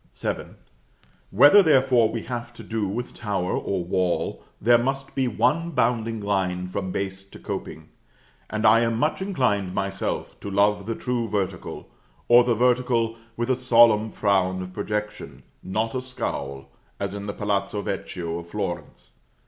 VII. Whether, therefore, we have to do with tower or wall, there must be one bounding line from base to coping; and I am much inclined, myself, to love the true vertical, or the vertical, with a solemn frown of projection (not a scowl), as in the Palazzo Vecchio of Florence.